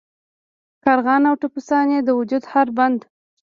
کارغان او ټپوسان یې د وجود هر بند.